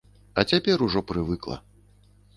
А цяпер ужо прывыкла.